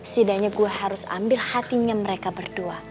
setidaknya gue harus ambil hatinya mereka berdua